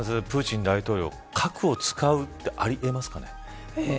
プーチン大統領が核を使うってあり得ますかね。